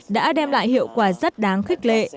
đã đem lại hiệu quả rất đáng khích lệ